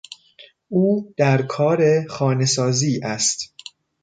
او در کار خانه سازی است.